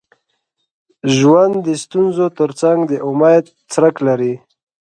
ژوند د ستونزو تر څنګ د امید څرک لري.